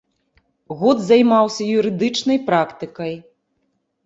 Год займаўся юрыдычнай практыкай.